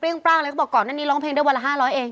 เพื่องตั้งว่ะแล้วครับตอนนั้นนี้ร้องเพลงได้วันละห้าร้อยนึง